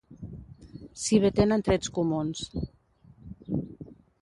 si bé tenen trets comuns